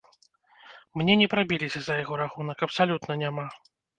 Мне не прабіліся за яго рахунак, абсалютна няма!